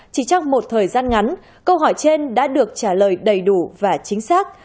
chỉ trong một thời gian ngắn câu hỏi trên đã được trả lời đầy đủ và chính xác